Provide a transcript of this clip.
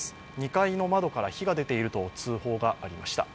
２階の窓から火が出ていると通報がありました。